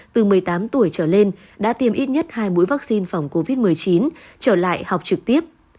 từ một mươi tám tuổi trở lên đã tiêm ít nhất hai mũi vaccine phòng covid một mươi chín trở lại học trực tiếp